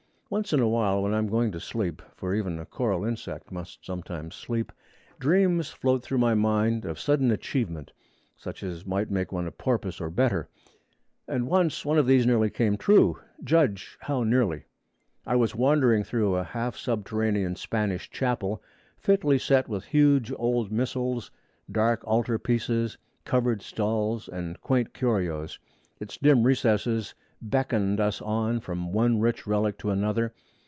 Once in a while, when I am going to sleep (for even a coral insect must sometimes sleep), dreams float through my mind of sudden achievement, such as might make one a porpoise or better; and once one of these nearly came true. Judge how nearly. I was wandering through a half subterranean Spanish chapel, fitly set with huge old missals, dark altar pieces, covered stalls, and quaint curios. Its dim recesses beckoned us on from one rich relic to another.